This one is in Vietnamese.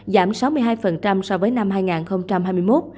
giảm sáu mươi hai so với năm hai nghìn hai mươi một